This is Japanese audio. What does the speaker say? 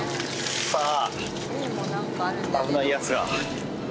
さあ。